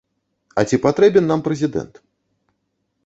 А ці патрэбен нам прэзідэнт?